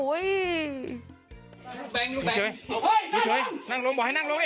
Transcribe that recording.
ลูกแบงก์ลูกแบงก์อย่าเฉย